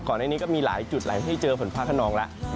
ในนี้ก็มีหลายจุดหลายที่เจอฝนฟ้าขนองแล้ว